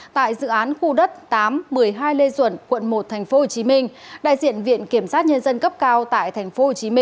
tại dự án khu đất tám một mươi hai lê duẩn quận một tp hcm đại diện viện kiểm sát nhân dân cấp cao tại tp hcm